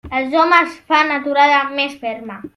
Els homes fan aturada més ferma.